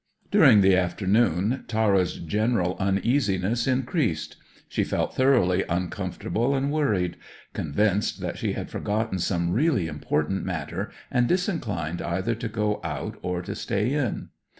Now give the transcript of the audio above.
During the afternoon, Tara's general uneasiness increased. She felt thoroughly uncomfortable and worried; convinced that she had forgotten some really important matter, and disinclined either to go out or to stay in.